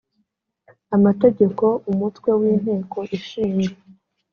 amategeko umutwe w inteko ishinga